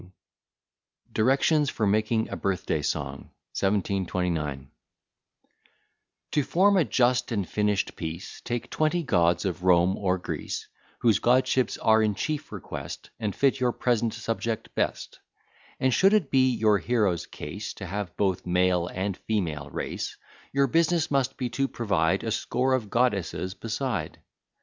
] DIRECTIONS FOR MAKING A BIRTH DAY SONG. 1729 To form a just and finish'd piece, Take twenty gods of Rome or Greece, Whose godships are in chief request, And fit your present subject best; And, should it be your hero's case, To have both male and female race, Your business must be to provide A score of goddesses beside.